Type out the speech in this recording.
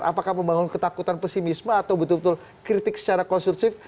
apakah membangun ketakutan pesimisme atau betul betul kritik secara konstruksi